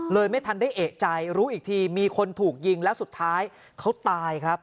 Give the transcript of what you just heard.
ไม่ทันได้เอกใจรู้อีกทีมีคนถูกยิงแล้วสุดท้ายเขาตายครับ